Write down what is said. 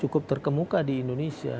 cukup terkemuka di indonesia